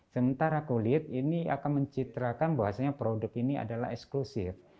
sementara kulit ini akan mencitrakan bahwasanya produk ini adalah eksklusif